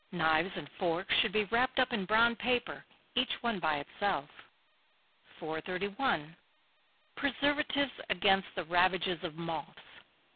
Knives and forks should be wrapped up in brown paper, each one by itself. 431. _Preservatives against the ravages of Moths.